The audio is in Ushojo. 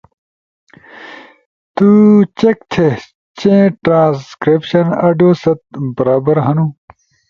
تو چیک تھے چی ٹرانسکریپشن آڈیو ست برابر ہنو